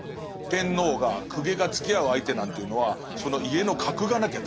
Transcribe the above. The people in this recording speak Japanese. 天皇が公家がつきあう相手なんていうのはその家の格がなきゃ駄目だっていうね